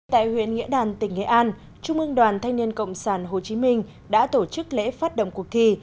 tại huyện nghĩa đàn tỉnh nghệ an trung ương đoàn thanh niên cộng sản hồ chí minh đã tổ chức lễ phát động cuộc thi